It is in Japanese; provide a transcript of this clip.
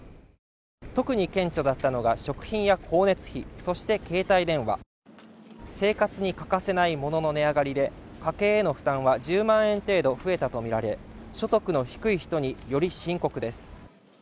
特に顕著だったのが食品や光熱費、そして携帯電話生活に欠かせない物の値上がりで家計への負担は１０万円程度増えたとみられ、所得の低い人により深刻です。